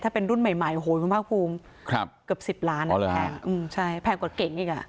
ถ้าเป็นรุ่นใหม่โอ้โหมีภาคภูมิเกือบ๑๐ล้านแพงกว่าเก่งอีก